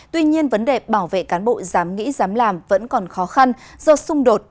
tuy nhiên vấn đề bảo vệ cán bộ giám nghĩ giám làm vẫn còn khó khăn do xung đột